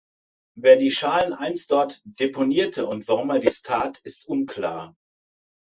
Wer die Schalen einst dort deponierte und warum er dies tat, ist unklar.